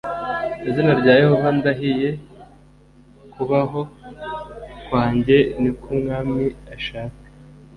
izina rya yehova ndahiye kubaho kwanjye ni ko umwami ashaka